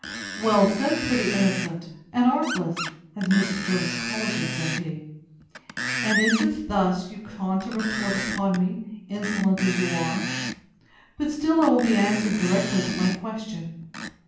Well said, pretty innocent and artless! as Mrs. Jervis calls you, said he; and is it thus you taunt and retort upon me, insolent as you are! But still I will be answered directly to my question.